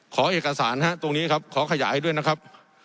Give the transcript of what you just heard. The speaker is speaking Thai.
ขอเอกสารตรงนี้ครับขอขยายด้วยนะครับ